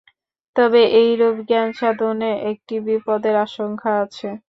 তবে এইরূপ জ্ঞান-সাধনে একটি বিপদের আশঙ্কা আছে।